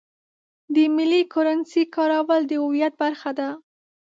د ملي کرنسۍ کارول د هویت برخه ده.